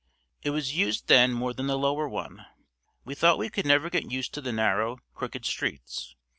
It was used then more than the lower one. We thought we could never get used to the narrow, crooked streets.